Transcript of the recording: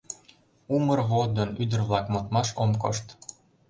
Умыр водын Ӱдыр-влак модмаш ом кошт.